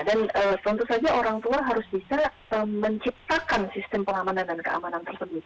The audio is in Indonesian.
dan tentu saja orang tua harus bisa menciptakan sistem pengamanan dan keamanan tersebut